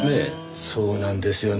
そうなんですよね。